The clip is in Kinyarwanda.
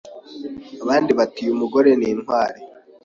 abandi bati uyu mugore ni intwari ,